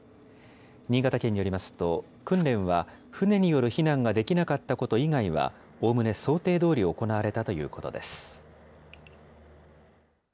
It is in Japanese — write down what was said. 新潟県によりますと、訓練は船による避難ができなかったこと以外は、おおむね想定どおり行われたということです。